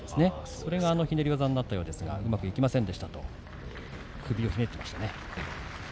それがひねり技になったようですが、うまくいきませんでしたと首をひねっていましたね。